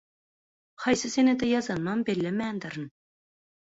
Haýsy senede ýazanymam bellemändirin.